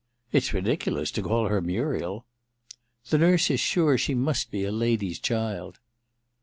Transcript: ^ It's ridiculous to call her Muriel.' *The nurse is sure she must be a lady's child.'